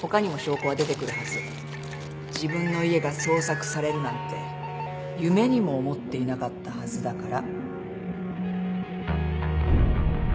自分の家が捜索されるなんて夢にも思っていなかったはずだから。